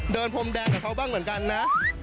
พรมแดงกับเขาบ้างเหมือนกันนะ